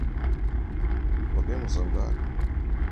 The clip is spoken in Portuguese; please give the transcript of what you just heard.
Podemos andar?